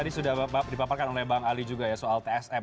tadi sudah dipaparkan oleh bang ali juga ya soal tsm